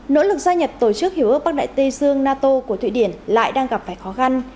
nỗ lực gia nhập tổ chức hiểu ước bắc đại tây dương nato của thụy điển lại đang gặp phải khó khăn